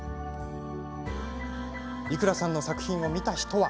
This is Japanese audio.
伊倉さんの作品を見た人は。